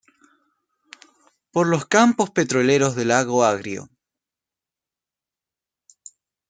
Por los Campos Petroleros de Lago Agrio.